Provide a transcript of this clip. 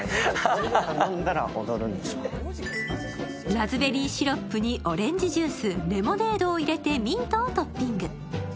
ラズベリーシロップにオレンジジュース、レモネードを入れてミントをトッピング。